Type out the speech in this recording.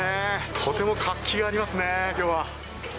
とても活気がありますね、きょうは。